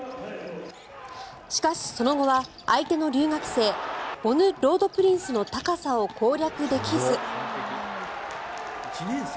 しかし、その後は相手の留学生ボヌ・ロードプリンスの高さを攻略できず。